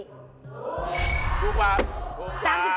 ๖บาท